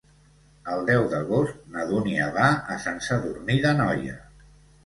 El deu d'agost na Dúnia va a Sant Sadurní d'Anoia.